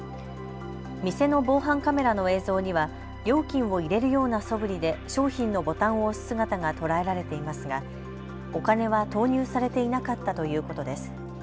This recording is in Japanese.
店の防犯カメラの映像には料金を入れるようなそぶりで商品のボタンを押す姿が捉えられていますがお金は投入されていなかったということです。